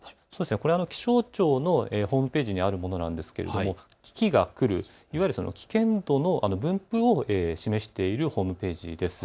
これは気象庁のホームページにあるものなんですが、危機が来る、いわゆる危険度の分布を示しているホームページです。